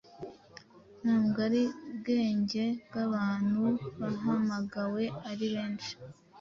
ntabwo ari ab’ubwenge bw’abantu bahamagawe ari benshi;